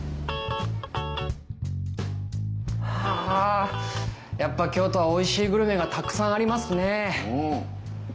ハァやっぱ京都はおいしいグルメがたくさんありますねんん